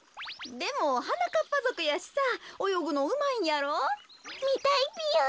でもはなかっぱぞくやしさおよぐのうまいんやろ？みたいぴよ！